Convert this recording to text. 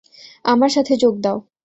আমার সাথে যোগ দাও।